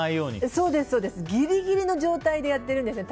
そうです、ギリギリの状態でやっているんですよね。